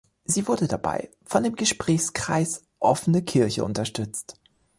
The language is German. Sie wurde dabei von dem Gesprächskreis "Offene Kirche" unterstützt.